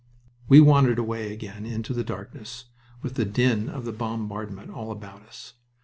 We wandered away again into the darkness, with the din of the bombardment all about us.